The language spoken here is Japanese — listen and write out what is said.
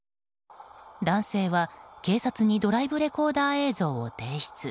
男性は警察にドライブレコーダー映像を提出。